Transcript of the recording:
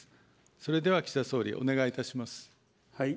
それでは岸田総理お願いいたします。